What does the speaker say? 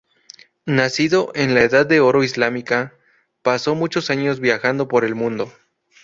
Nacido en la edad de oro islámica, pasó muchos años viajando por el mundo.